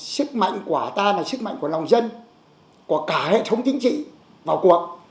sức mạnh của ta là sức mạnh của lòng dân của cả hệ thống chính trị vào cuộc